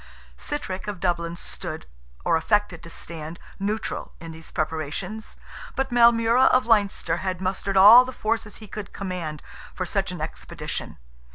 Sitrick of Dublin stood, or affected to stand, neutral in these preparations, but Maelmurra of Leinster had mustered all the forces he could command for such an expedition.